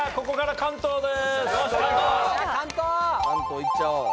関東行っちゃおう。